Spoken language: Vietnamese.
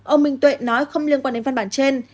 ông minh tuệ nói không liên quan đến văn bản trên